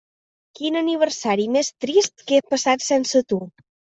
Quin aniversari més trist que he passat sense tu.